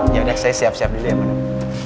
ya udah saya siap siap dulu ya madam